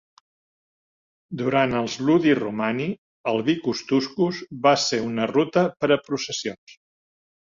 Durant els Ludi Romani, el Vicus Tuscus va ser una ruta per a processions.